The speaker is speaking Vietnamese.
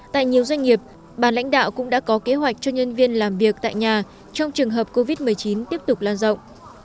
tại nhiều doanh nghiệp bà lãnh đạo cũng đã có kế hoạch cho nhân viên làm việc tại nhà trong trường hợp covid một mươi chín tiếp tục lan rộng